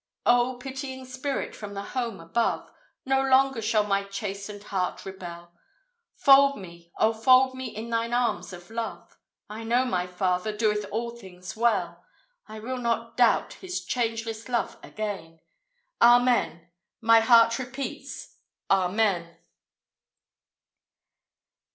O, pitying Spirit from the home above! No longer shall my chastened heart rebel; Fold me, O fold me in thine arms of love! I know my Father "doeth all things well;" I will not doubt his changeless love again. Amen! My heart repeats, Amen!